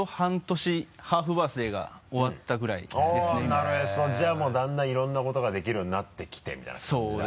なるへそじゃあもうだんだんいろんなことができるようになってきてみたいな感じだよね。